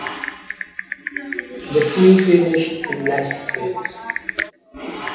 The team finished in last place.